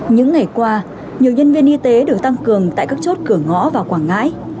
những ngày qua nhiều nhân viên y tế được tăng cường tại các chốt cửa ngõ vào quảng ngãi